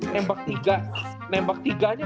nembak tiga nembak tiganya